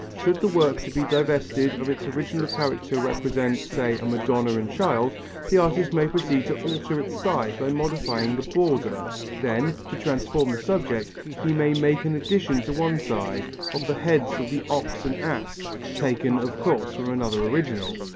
Should the work to be divested of its original character represent, say, a Madonna and Child, the artist may proceed to alter its size by modifying the border; then, to transform the subject, he may make an addition on one side, of the heads of the ox and ass, taken of course from another original.